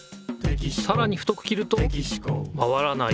さらに太く切るとまわらない。